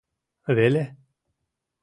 Веле?